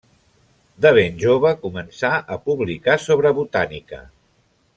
De ben jove començà a publicar sobre botànica.